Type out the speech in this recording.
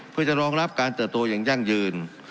เพื่อจะรองรับการเติบโตอย่างยั่งยืน